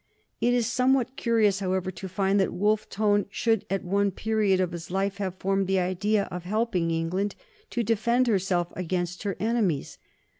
It is somewhat curious, however, to find that Wolfe Tone should at one period of his life have formed the idea of helping England to defend herself against her enemies.